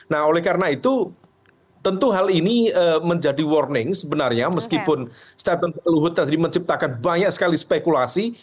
nah oleh karena itu tentu hal ini menjadi warning sebenarnya meskipun statement of the law of the treasury menciptakan banyak sekali spekulasi